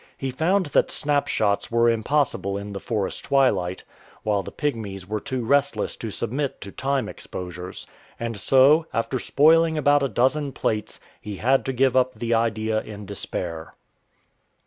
He found that snapshots were impossible in the forest twilight, while the Pygmies were too restless to submit to time exposures. And so, after spoiling about a dozen plates, he had to give up the idea in despair.